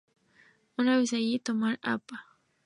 Una vez allí, tomar Av.